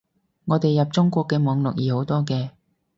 我哋入中國嘅網絡易好多嘅